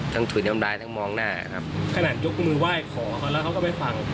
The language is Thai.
ถุยน้ำลายทั้งมองหน้าครับขนาดยกมือไหว้ขอเขาแล้วเขาก็ไม่ฟัง